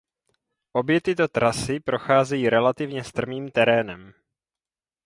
Obě tyto trasy procházejí relativně strmým terénem.